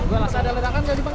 gue rasa ada ledakan tadi bang